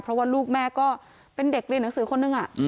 เพราะว่าลูกแม่ก็เป็นเด็กเรียนหนังสือคนหนึ่ง